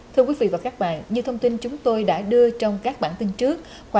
thưa quý vị và các bạn như thông tin chúng tôi đã đưa trong các bản tin trước